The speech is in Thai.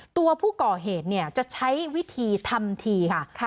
ตัวผู้ก่อเหตุจะใช้วิธีทำทีค่ะ